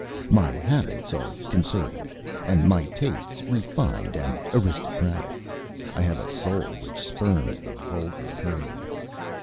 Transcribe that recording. My habits are Conservative, and my tastes refined and aristocratic. I have a soul which spurns the vulgar herd.